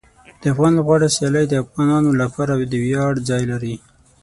د افغان لوبغاړو سیالۍ د افغانانو لپاره د ویاړ ځای لري.